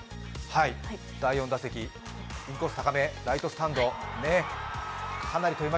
第４打席、インコース高め、ライトスタンド。